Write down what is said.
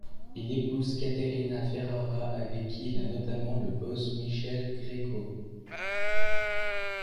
Il épouse Caterina Ferrara avec qui il a notamment le boss Michele Greco.